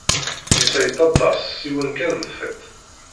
Netta yettaḍḍas s yiwet kan n tiṭ.